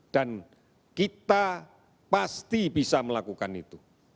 dan kita pasti bisa melakukan itu